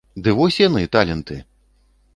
Ды вось яны, таленты!